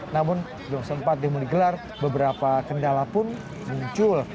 namun belum sempat demo digelar beberapa kendala pun muncul